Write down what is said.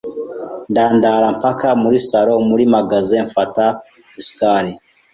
ndandara mpaka muri salon muri magasin mfata isukari